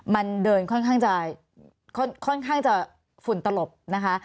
มันเดินค่อนข้างจะฝุ่นตลบนะคะ